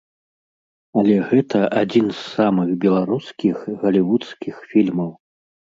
Але гэта адзін з самых беларускіх галівудскіх фільмаў.